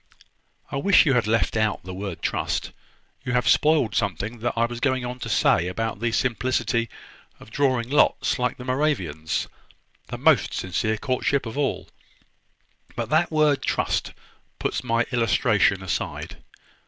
"I wish you had left out the word `trust.' You have spoiled something that I was going on to say about the simplicity of drawing lots like the Moravians, the most sincere courtship of all: but that word `trust' puts my illustration aside.